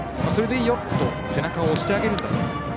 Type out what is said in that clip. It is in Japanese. それでいいよと背中を押してあげる。